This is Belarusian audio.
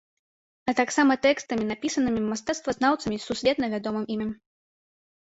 А таксама тэкстамі, напісанымі мастацтвазнаўцамі з сусветна вядомым імем.